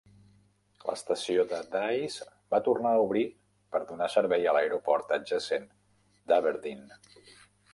L'estació de Dyce va tornar a obrir per donar servei a l'aeroport adjacent d'Aberdeen.